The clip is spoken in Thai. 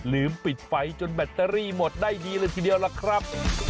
ลืมปิดไฟจนแบตเตอรี่หมดได้ดีเลยทีเดียวล่ะครับ